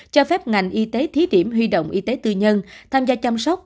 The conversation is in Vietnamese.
cho phép ngành y tế thí điểm huy động y tế tư nhân tham gia chăm sóc